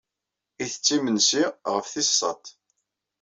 Ittett imensi ɣef tis sat.